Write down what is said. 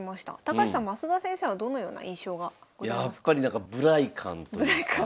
高橋さん升田先生はどのような印象がございますか？